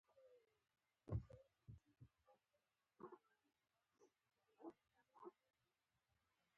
زما کور په تا جنت دی ، زما لپاره فرښته ېې